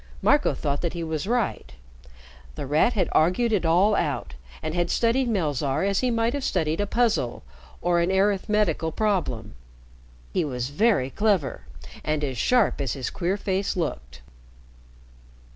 Marco thought he was right. The Rat had argued it all out, and had studied Melzarr as he might have studied a puzzle or an arithmetical problem. He was very clever, and as sharp as his queer face looked.